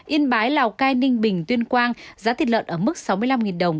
yên bái lào cai ninh bình tuyên quang giá thịt lợn ở mức sáu mươi năm đồng đến sáu mươi bảy đồng một kg